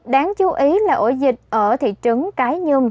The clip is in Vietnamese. đáng chú ý là ổ dịch ở thị trấn cái nhung